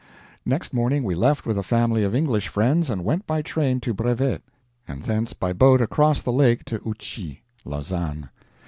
Next morning we left with a family of English friends and went by train to Brevet, and thence by boat across the lake to Ouchy (Lausanne).